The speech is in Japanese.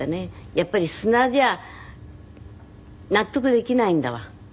やっぱり砂じゃ納得できないんだわ。